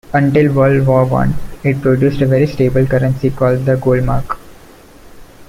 Until World War One it produced a very stable currency called the Goldmark.